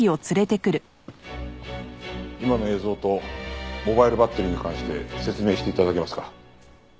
今の映像とモバイルバッテリーに関して説明して頂けますか？